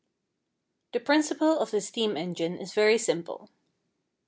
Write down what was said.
= The principle of the steam engine is very simple.